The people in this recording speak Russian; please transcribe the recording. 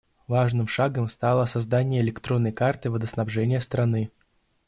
Важным шагом стало создание электронной карты водоснабжения страны.